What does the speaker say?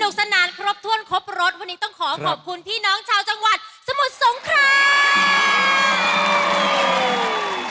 สนานครบถ้วนครบรถวันนี้ต้องขอขอบคุณพี่น้องชาวจังหวัดสมุทรสงคราม